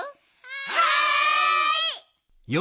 はい！